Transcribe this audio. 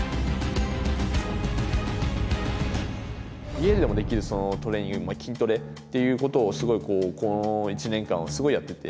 家でもできるトレーニング筋トレっていうことをすごいこの１年間はすごいやってて。